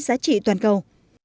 giá trị toàn cầu